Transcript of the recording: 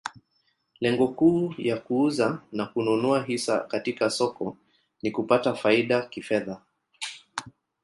Lengo kuu ya kuuza na kununua hisa katika soko ni kupata faida kifedha.